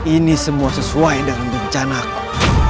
ini semua sesuai dengan rencanaku